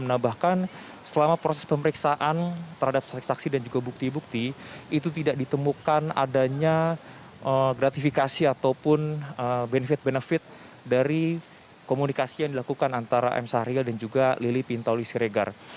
menambahkan selama proses pemeriksaan terhadap saksi saksi dan juga bukti bukti itu tidak ditemukan adanya gratifikasi ataupun benefith benefit dari komunikasi yang dilakukan antara m sahril dan juga lili pintauli siregar